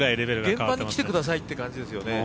現場に来てくださいって感じですよね。